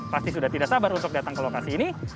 pasti sudah tidak sabar untuk datang ke lokasi ini